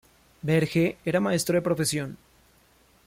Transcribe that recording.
Berge era maestro de profesión.